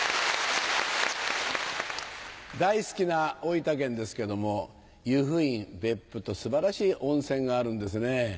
大好きな大分県ですけども由布院別府と素晴らしい温泉があるんですね。